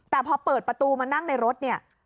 แต่พอเปิดประตูมานั่งในรถเนี่ย